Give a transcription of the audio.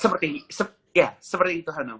seperti ini ya seperti itu hanum